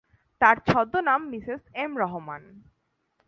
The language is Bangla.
তার ছদ্মনাম মিসেস এম রহমান।